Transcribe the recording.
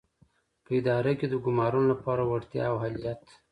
په اداره کې د ګومارنو لپاره وړتیا او اهلیت.